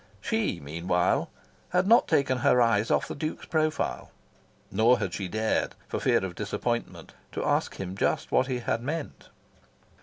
She, meanwhile, had not taken her eyes off the Duke's profile. Nor had she dared, for fear of disappointment, to ask him just what he had meant.